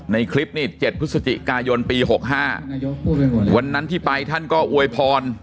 ในคลิปนี้๗พฤศจิกายนปี๖๕วันนั้นที่ไปท่านก็อวยพร